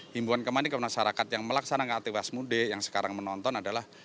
himbuan kembali ke masyarakat yang melaksanakan aktivitas mudik yang sekarang menonton adalah